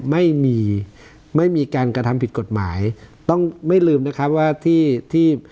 ไม่มีไม่มีการกระทำผิดกฎหมายต้องไม่ลืมนะครับว่าที่ที่